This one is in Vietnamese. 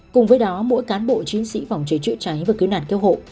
cùng với đó mỗi cán bộ chiến sĩ phòng cháy giữa cháy và kiếm nản kêu hộ